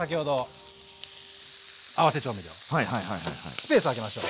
スペースを空けましょう。